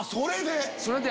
それで。